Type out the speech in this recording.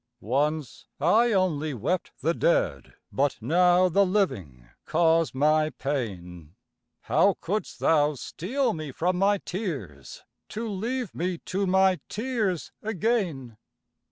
Once I only wept the dead, But now the living cause my pain: How couldst thou steal me from my tears, To leave me to my tears again?